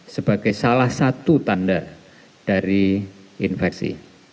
sebagai salah satu tanda dari infeksi